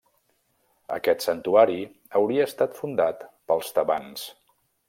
Aquest santuari hauria estat fundat pels tebans.